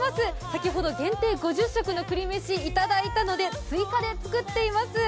先ほど限定５０食の栗飯いただいたので追加で作っています。